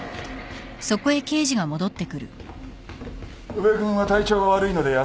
宇部君は体調が悪いので休ませた。